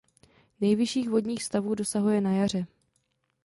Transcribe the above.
Nejvyšších vodních stavů dosahuje na jaře.